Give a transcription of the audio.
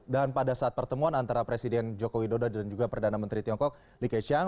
dan pada saat pertemuan antara presiden joko widodo dan juga perdana menteri tiongkok likai chiang